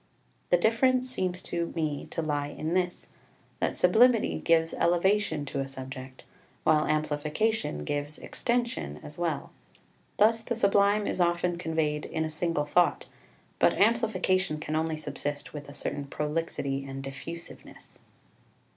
The difference seems to me to lie in this, that sublimity gives elevation to a subject, while amplification gives extension as well. Thus the sublime is often conveyed in a single thought, but amplification can only subsist with a certain prolixity and diffusiveness.